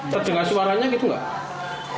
terdengar suaranya gitu gak